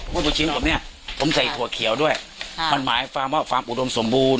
แต่บัวชี้ผมเนี้ยผมใส่ถั่วเขียวด้วยค่ะมันหมายความว่าฟาร์มอุดมสมบูรณ์